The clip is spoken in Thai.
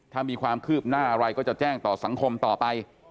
ถ้ามีความคืบหน้าอะไรก็จะแจ้งต่อสังคมต่อไป